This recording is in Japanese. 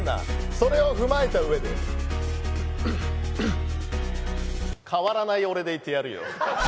それを踏まえたうえで変わらない俺でいてやるよ。